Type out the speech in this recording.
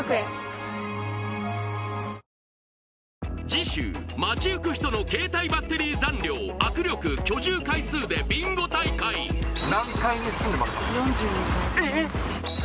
次週街ゆく人の携帯バッテリー残量握力居住階数でビンゴ大会何階に住んでますか？